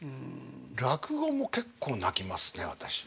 落語も結構泣きますね私。